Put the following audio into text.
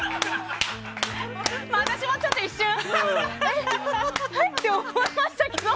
私も一瞬、え？って思いましたけど。